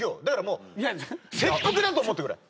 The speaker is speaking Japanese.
だからもう。